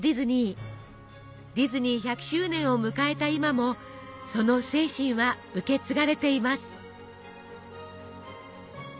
ディズニー１００周年を迎えた今もその精神は受け継がれています。